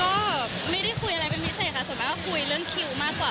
ก็ไม่ได้คุยอะไรเป็นพิเศษค่ะส่วนมากก็คุยเรื่องคิวมากกว่า